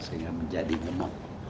saya tidak menjadi gemuk